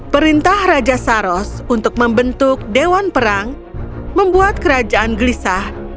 perintah raja saros untuk membentuk dewan perang membuat kerajaan gelisah